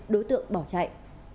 đối tượng bỏ chạy